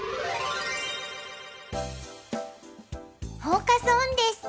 フォーカス・オンです。